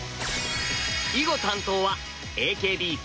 囲碁担当はＡＫＢ４８。